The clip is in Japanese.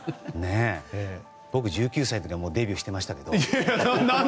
僕、１９歳の時にはデビューしてましたけど。